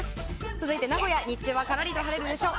続いて名古屋、日中はからりと晴れるでしょう。